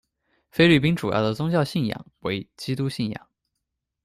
菲律宾主要的宗教信仰为基督信仰。